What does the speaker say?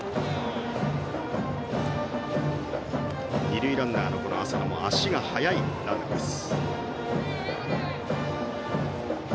二塁ランナーの浅野も足が速いランナーです。